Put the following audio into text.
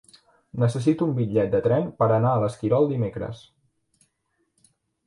Necessito un bitllet de tren per anar a l'Esquirol dimecres.